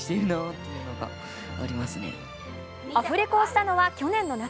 アフレコをしたのは去年の夏。